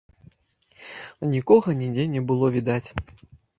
Нікога нідзе не было відаць.